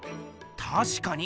たしかに！